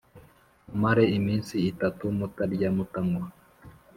mumare iminsi itatu mutarya, mutanywa